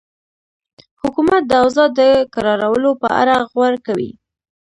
حکومت د اوضاع د کرارولو په اړه غور کوي.